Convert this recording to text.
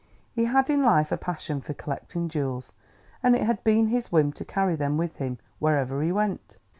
He had in life a passion for collecting jewels, and it had been his whim to carry them with him, wherever he went.